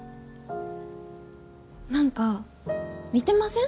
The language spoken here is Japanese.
何か似てません？